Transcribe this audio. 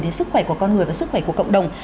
đến sức khỏe của con người và sức khỏe của cộng đồng